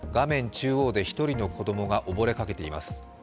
中央で１人の子供が溺れかけています。